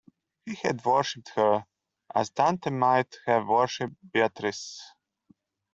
He had worshiped her, as Dante might have worshiped Beatrice.